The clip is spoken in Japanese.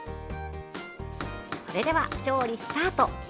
それでは調理スタート。